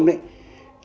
thì chúng ta phải